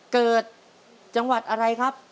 เกิดจังหวัดอะไรครับ